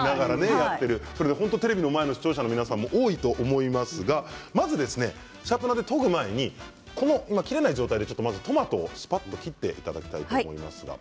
テレビの前の視聴者の皆さんも多いと思いますがシャープナーで研ぐ前に切れない状態でまずトマトを、すぱっと切っていただきたいと思いますが。